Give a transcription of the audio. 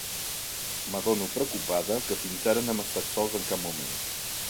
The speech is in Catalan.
M'adono, preocupada, que fins ara no hem estat sols en cap moment.